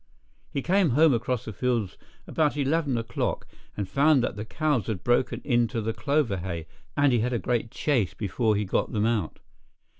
He came home across the fields about eleven o'clock and found that the cows had broken into the clover hay, and he had a great chase before he got them out.